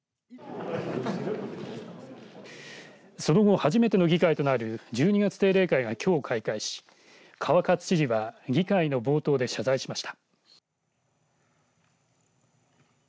その後、初めての議会となる１２月定例会がきょう開会し川勝知事は議会の冒頭で謝罪しました。